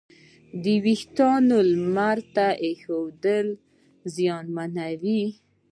د وېښتیانو لمر ته ایښودل یې زیانمنوي.